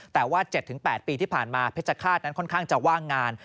แต่ว่า๗๘ปีที่ผ่านมาเพชรฆาตนั้นค่อนข้างจะว่างงาน